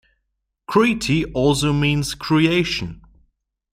Kriti also means Creation.